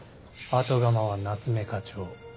後釜は夏目課長。